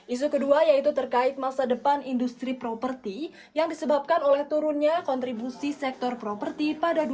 isu kedua yaitu terkait masa depan industri properti yang disebabkan oleh turunnya kontribusi sektor properti